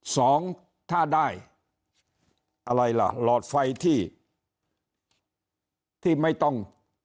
สองถ้าได้อะไรล่ะหลอดไฟที่ไม่ต้อง